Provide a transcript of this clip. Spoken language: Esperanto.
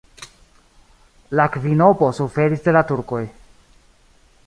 La kvinopo suferis de la turkoj.